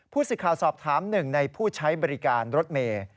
สิทธิ์ข่าวสอบถามหนึ่งในผู้ใช้บริการรถเมย์